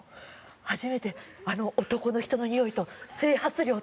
初めて男の人のにおいと整髪料と混ざった。